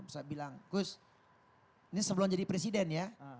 saya bilang gus ini sebelum jadi presiden ya